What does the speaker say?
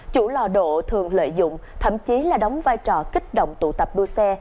chủ lò độ thường lợi dụng thậm chí là đóng vai trò kích động tụ tập đua xe